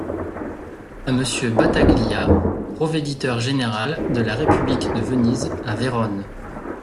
À Monsieur Bataglia, provéditeur-général de la république de Venise à Verone.